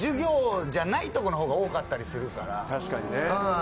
確かにね。